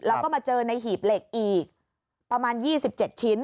แล้วก็มาเจอในหีบเหล็กอีกประมาณ๒๗ชิ้น